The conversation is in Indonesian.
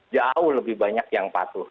jauh lebih banyak yang patuh